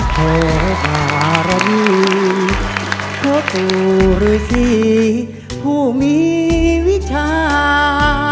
เทศภารกิจพวกธุรกิจผู้มีวิชา